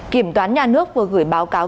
kiểm toán nhà nước vừa gửi báo cáo